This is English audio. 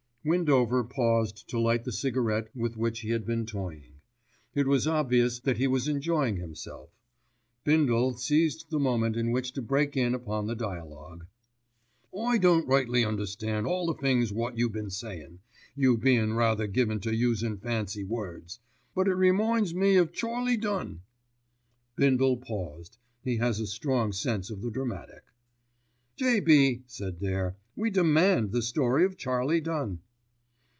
Windover paused to light the cigarette with which he had been toying. It was obvious that he was enjoying himself. Bindle seized the moment in which to break in upon the duologue. "I don't rightly understand all the things wot you been sayin', you bein' rather given to usin' fancy words; but it reminds me o' Charlie Dunn." Bindle paused. He has a strong sense of the dramatic. "J.B.," said Dare, "we demand the story of Charlie Dunn."